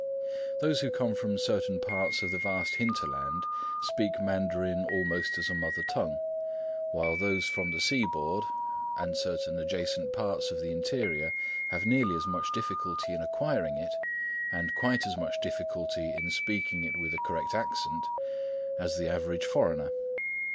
Those who come from certain parts of the vast hinterland speak Mandarin almost as a mother tongue, while those from the seaboard and certain adjacent parts of the interior have nearly as much difficulty in acquiring it, and quite as much difficulty in speaking it with a correct accent, as the average foreigner.